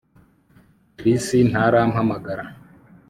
Chris ntarampamagara